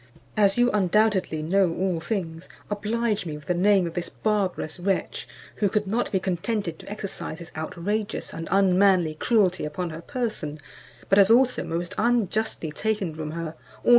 As you undoubtedly know all things, oblige me with the name of this barbarous wretch, who could not be contented to exercise his outrageous and unmanly cruelty upon her person, but has also most unjustly taken from her all her substance.